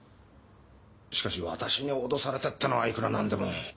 しかし私に脅されてってのはいくらなんでも。